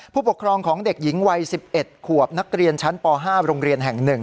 ผู้ปกครองของเด็กหญิงวัย๑๑ขวบนักเรียนชั้นป๕โรงเรียนแห่ง๑